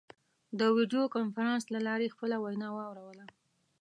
د ویډیو کنفرانس له لارې خپله وینا واوروله.